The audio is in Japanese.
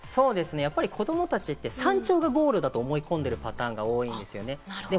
子供たちって山頂がゴールだと思い込んでるパターンが多いんですよね。